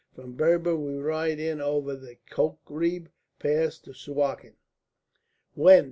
From Berber we ride in over the Kokreb pass to Suakin." "When?"